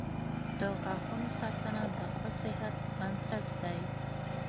• د غاښونو ساتنه د ښه صحت بنسټ دی.